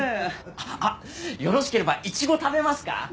あっよろしければイチゴ食べますか？